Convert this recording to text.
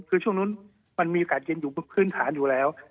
คือช่วงนั้นมันมีอากาศเย็นอยู่บนพื้นฐานอยู่แล้ว